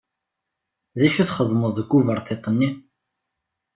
D acu txeddmeḍ deg uberṭiṭ-nni?